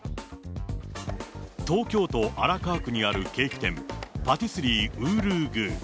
東京都荒川区にあるケーキ店、パティスリー、ウールーグー。